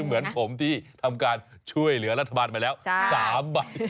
เหมือนผมที่ทำการช่วยเหลือรัฐบาลมาแล้ว๓ใบ